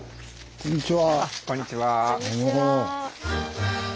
こんにちは。